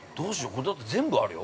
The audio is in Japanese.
これ、だって全部あるよ。